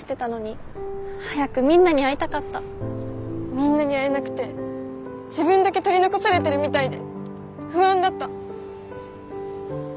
みんなに会えなくて自分だけ取り残されてるみたいで不安だった。